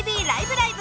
ライブ！」